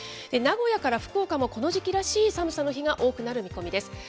名古屋から福岡も、この時期らしい寒さの日が多くなる見込みです。